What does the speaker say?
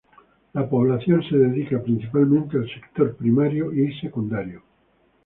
La población se dedica principalmente al sector primario y secundario.